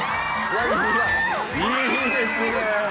いいですね。